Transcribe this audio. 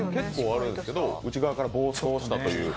内側から暴走したという。